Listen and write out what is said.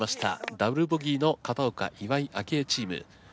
ダブルボギーの片岡・岩井明愛チーム。